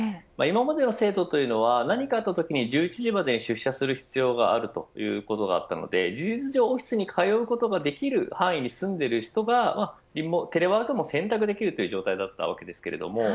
今までの制度というのは何かあったときに１１時までに出社する必要があるということだったので事実上、オフィスに通うことができる範囲に住んでる人がテレワークも選択できるという状態だったわけです。